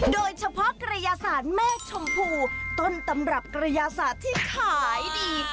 โดยเฉพาะกระยาศาสตร์แม่ชมพูต้นตำรับกระยาศาสตร์ที่ขายดี